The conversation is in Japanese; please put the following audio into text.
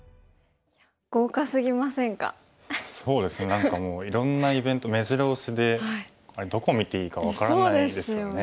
何かもういろんなイベントめじろ押しでどこを見ていいか分からないですよね。